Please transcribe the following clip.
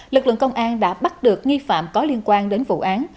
lực lượng công an đã bắt được nghi phạm có liên quan đến vụ án